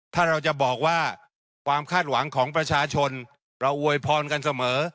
ถ้าเราจะบอกว่าความคาดหวังของประชาชนเราอวยพรกันเสมอ